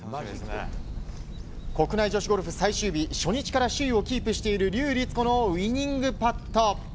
国内女子ゴルフ最終日初日から首位をキープしている笠りつ子のウィニングパット。